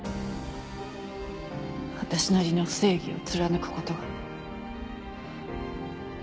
私なりの正義を貫くことが。